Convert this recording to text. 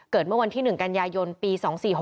เมื่อวันที่๑กันยายนปี๒๔๖